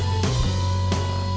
kejar kita kasih pelajaran